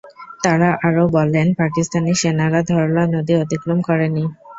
তারা আরও বলল, পাকিস্তানি সেনারা ধরলা নদী অতিক্রম করেনি।